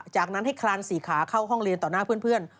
จากนั้นให้คลานสี่ขาเข้าห้องเรียนต่อหน้าเพื่อน